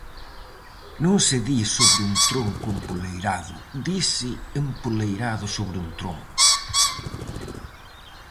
Non se di sobre un tronco empoleirado, dise empoleirado sobre un tronco.